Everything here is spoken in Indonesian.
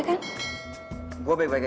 kamu ada di mana